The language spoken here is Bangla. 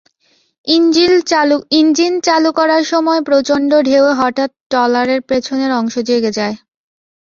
ইঞ্জিন চালু করার সময় প্রচণ্ড ঢেউয়ে হঠাৎ ট্রলারের পেছনের অংশ জেগে যায়।